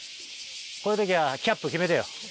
こういう時はキャップ決めてよ。